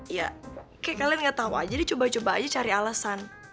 iya kayak kalian gatau aja jadi coba coba aja cari alasan